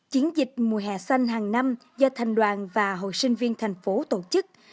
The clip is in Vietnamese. chiến dịch mùa hè xanh hàng năm do thành đoàn và hội sinh viên thành phố tổ chức